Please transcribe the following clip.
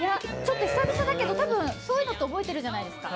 久々だけど、そういうのって覚えてるじゃないですか。